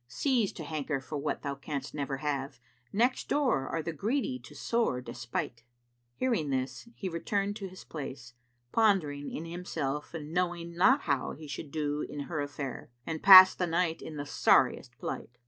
Cease to hanker for what thou canst never have: * Next door are the greedy to sore despight." Hearing this he returned to his place, pondering in himself and knowing not how he should do in her affair, and passed the night in the sorriest plight.